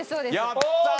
やったー！